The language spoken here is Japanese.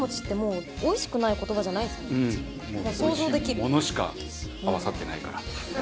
おいしいものしか合わさってないから。